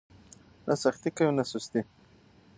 نه سختي کوئ نه سستي.